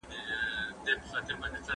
که دولت برخه واخلي ستونزې به حل سي.